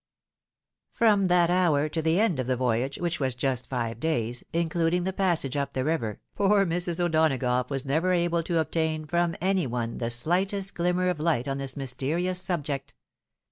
From that hour to the end of the voyage, which was just five days, including the passage up the river, poor Mrs. O'Donagough was never able to obtain from any one the slightest glimmer of light on this mysterious subject.